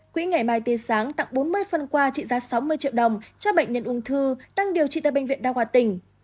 quỹ ngày mai tươi sáng tặng bốn mươi phân quà trị giá sáu mươi triệu đồng cho bệnh nhân ung thư tăng điều trị tại bệnh viện đa khoa tỉnh